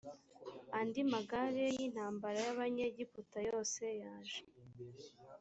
andi magare y intambara y abanyegiputa yose yaje